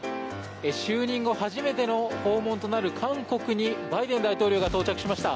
就任後初めての訪問となる韓国にバイデン大統領が到着しました。